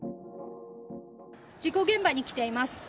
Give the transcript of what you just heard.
事故現場に来ています。